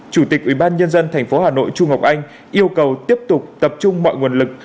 chủ tịch ubnd tp hà nội trung ngọc anh yêu cầu tiếp tục tập trung mọi nguồn lực